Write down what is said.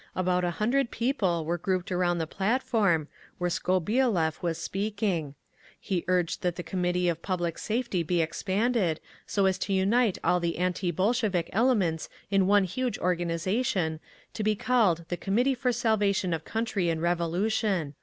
About a hundred people were grouped around the platform, where Skobeliev was speaking. He urged that the Committee of Public Safety be expanded, so as to unite all the anti Bolshevik elements in one huge organisation, to be called the Committee for Salvation of Country and Revolution.